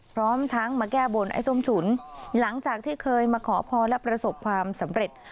พร้อมทั้งมาแก้บนไอ้ส้มฉุนหลังจากที่เคยมาขอพรและประสบความสำเร็จ